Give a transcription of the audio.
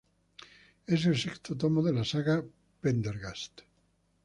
Es el sexto tomo de la saga Pendergast.